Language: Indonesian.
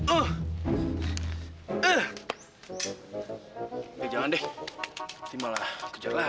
oke jangan deh kita malah kejar lagi